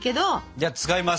じゃあ使います！